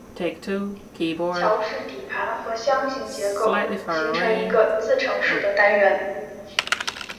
桥式底盘和箱形结构形成一个自承式的单元。